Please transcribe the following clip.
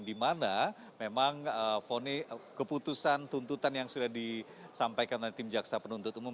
dimana memang keputusan tuntutan yang sudah disampaikan oleh tim jaksa penuntut umum